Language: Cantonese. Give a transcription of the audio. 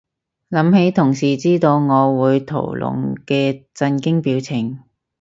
諗起同事知道我會屠龍嘅震驚表情